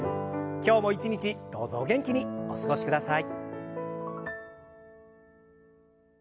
今日も一日どうぞお元気にお過ごしください。